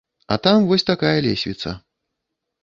А там вось такая лесвіца.